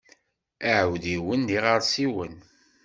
Iɛudiwen d iɣersiwen.